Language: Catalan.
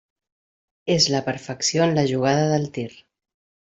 És la perfecció en la jugada del tir.